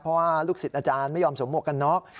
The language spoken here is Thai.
เพราะว่าลูกสิทธิ์อาจารย์ไม่ยอมสมมติกันเนอะ